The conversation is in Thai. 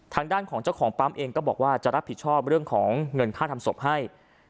ทางด้านของเจ้าของปั๊มเองก็บอกว่าจะรับผิดชอบเรื่องของเงินค่าทำศพให้